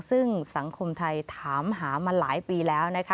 ซึ่งสังคมไทยถามหามาหลายปีแล้วนะคะ